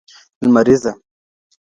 لمریزه